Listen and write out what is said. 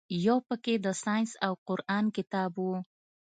يو پکښې د ساينس او قران کتاب و.